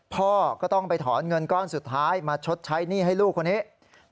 พ่อก็ต้องไปถอนเงินก้อนสุดท้ายมาชดใช้หนี้ให้ลูกคนนี้